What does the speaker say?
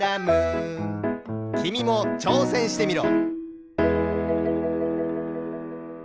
きみもちょうせんしてみろ。